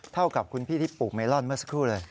เท่ากับคุณพี่ที่ปลูกเมลอนเมื่อสักครู่เลย